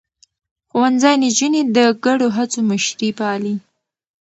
ښوونځی نجونې د ګډو هڅو مشري پالي.